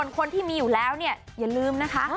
ส่วนคนที่มีอยู่แล้วเนี่ยอย่าลืมนะคะ